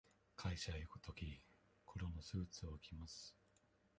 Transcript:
会社へ行くとき、黒のスーツを着ます。